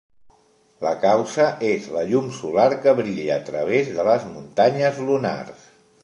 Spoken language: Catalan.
La causa és la llum solar que brilla a través de les muntanyes lunars.